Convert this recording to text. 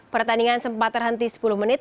pertandingan sempat terhenti sepuluh menit